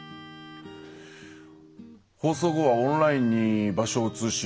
放送後はオンラインに場所を移し